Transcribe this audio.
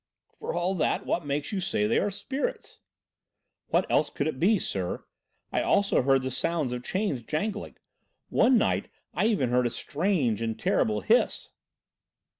"For all that, what makes you say they are spirits?" "What else could it be, sir. I also heard the sounds of chains jangling. One night I even heard a strange and terrible hiss."